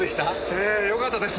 ええよかったです。